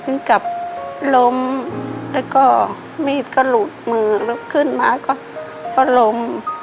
เพียงกับล้มแล้วก็มีดก็หลุดมือแล้วขึ้นมาก็ก็ล้ม